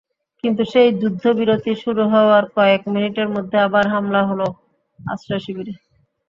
কিন্তু সেই যুদ্ধবিরতি শুরু হওয়ার কয়েক মিনিটের মধ্যে আবার হামলা হলো আশ্রয়শিবিরে।